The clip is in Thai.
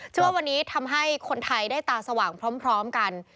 ว่าวันนี้ทำให้คนไทยได้ตาสว่างพร้อมกัน